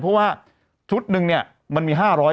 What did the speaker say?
เพราะว่าชุดหนึ่งเนี่ยมันมี๕๐๐